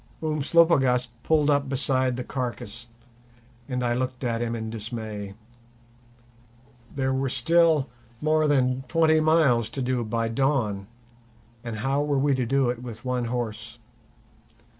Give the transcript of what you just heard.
Umslopogaas pulled up beside the carcase, and I looked at him in dismay. There were still more than twenty miles to do by dawn, and how were we to do it with one horse?